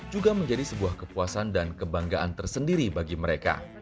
juga menjadi sebuah kepuasan dan kebanggaan tersendiri bagi mereka